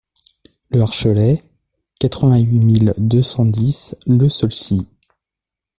Le Harcholet, quatre-vingt-huit mille deux cent dix Le Saulcy